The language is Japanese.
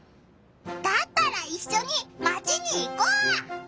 だったらいっしょにマチに行こう！